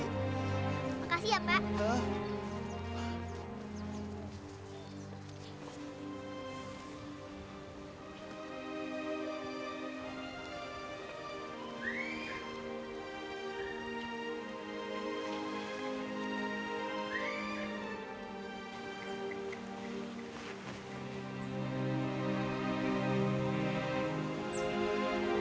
makasih ya pak